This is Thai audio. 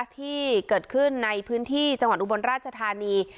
ที่เกิดขึ้นในพื้นที่จังหวัดอุบลราชธานี